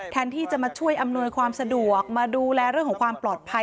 แทนที่จะมาช่วยอำนวยความสะดวกมาดูแลเรื่องของความปลอดภัย